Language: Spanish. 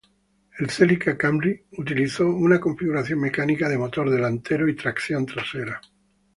El Celica Camry, utilizó una configuración mecánica de motor delantero y tracción trasera.